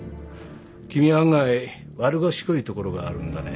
君は案外悪賢いところがあるんだね。